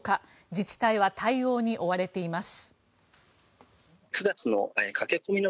自治体は対応に追われています。